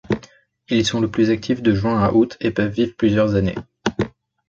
Ils sont le plus actifs de juin à août et peuvent vivre plusieurs années.